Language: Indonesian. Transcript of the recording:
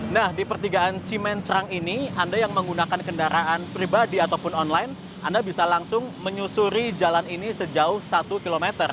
nah di pertigaan cimencrang ini anda yang menggunakan kendaraan pribadi ataupun online anda bisa langsung menyusuri jalan ini sejauh satu km